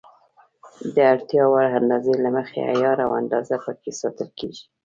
د اړتیا وړ اندازې له مخې عیار او اندازه پکې ساتل کېږي.